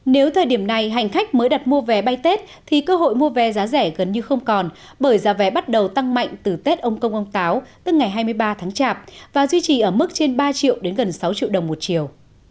nếu thời điểm này hành khách mới đặt mua vé bay tết thì cơ hội mua vé giá rẻ gần như không còn bởi giá vé bắt đầu tăng mạnh từ tết ông công ông táo tức ngày hai mươi ba tháng chạp và duy trì ở mức trên ba triệu đến gần sáu triệu đồng một triệu